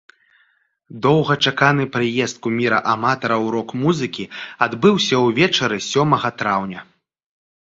Доўгачаканы прыезд куміра аматараў рок-музыкі адбыўся ўвечары сёмага траўня.